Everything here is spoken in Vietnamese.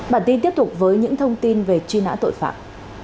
bản tin tiếp tục với những thông tin về truy nã tội phạm